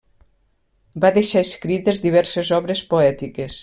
Va deixar escrites diverses obres poètiques.